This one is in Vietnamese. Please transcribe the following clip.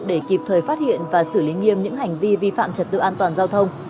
để kịp thời phát hiện và xử lý nghiêm những hành vi vi phạm trật tự an toàn giao thông